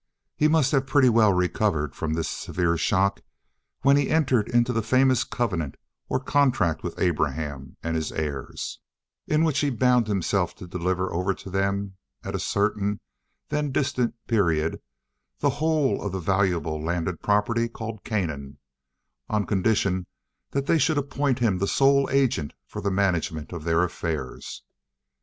He must have pretty well recovered from this severe shock when he entered into the famous covenant or contract with Abraham and his heirs, by which he bound himself to deliver over to them at a certain, then distant, period, the whole of the valuable landed property called Canaan, on condition that they should appoint him the sole agent for the management of their affairs.